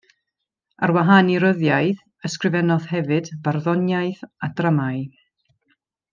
Ar wahân i ryddiaith ysgrifennodd hefyd farddoniaeth a dramâu.